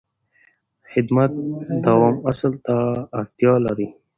خدمت د دوام اصل ته اړتیا لري.